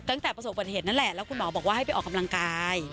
ตั้งแต่ประสบบัติเหตุนั่นแหละแล้วคุณหมอบอกว่าให้ไปออกกำลังกาย